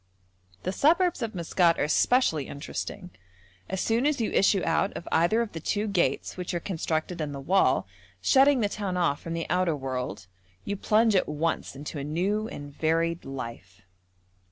The suburbs of Maskat are especially interesting. As soon as you issue out of either of the two gates which are constructed in the wall, shutting the town off from the outer world, you plunge at once into a new and varied life.